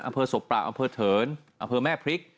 อำเภอศพประอำเภอเถินอำเภอแม่พริก